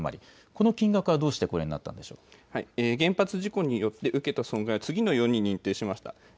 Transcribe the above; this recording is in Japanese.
この金額はどうしてこれになった原発事故によって受けた損害を次のように認定しました。